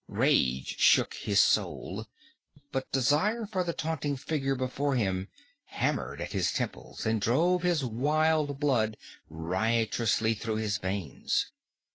Rage shook his soul, but desire for the taunting figure before him hammered at his temples and drove his wild blood riotously through his veins.